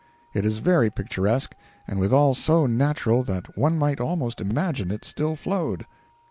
It is very picturesque, and withal so natural that one might almost imagine it still flowed.